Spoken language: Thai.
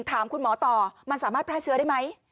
ถามคุณหมอต่อมันสามารถแพร่เชื้อได้ไหม